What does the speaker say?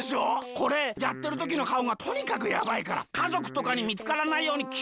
これやってるときのかおがとにかくやばいからかぞくとかにみつからないようにきをつけてね！